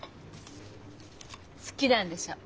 好きなんでしょう？